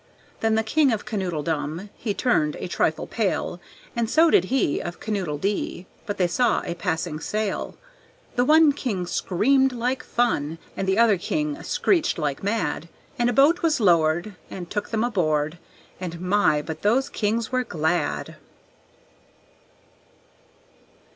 Then the King of Kanoodledum He turned a trifle pale, And so did he Of Kanoodledee, But they saw a passing sail! And one king screamed like fun And the other king screeched like mad, And a boat was lowered And took them aboard; And, my! but those kings were glad!